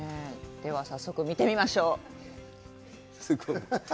では、早速見てみましょう。